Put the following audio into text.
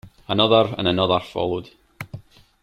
Another and another followed.